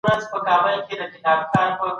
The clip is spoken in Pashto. قبیلوي جوړښتونه مهم ګڼل کيدل.